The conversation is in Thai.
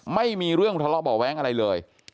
ไม่มีเรื่องทะเลาะเบาะแว้งอะไรเลย